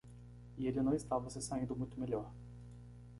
E ele não estava se saindo muito melhor.